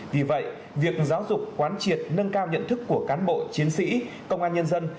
vì vậy việc giáo dục quán triệt nâng cao nhận thức của cán bộ chiến sĩ công an nhân dân